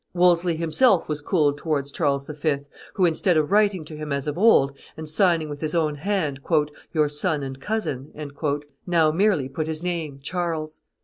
Wolsey himself was cooled towards Charles V., who, instead of writing to him as of old, and signing with his own hand, "your son and cousin," now merely put his name, Charles.